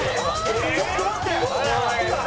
ちょっと待って！